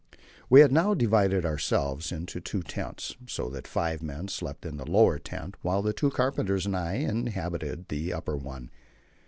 We had now divided ourselves between the two tents, so that five men slept in the lower tent, while the two carpenters and I inhabited the upper one.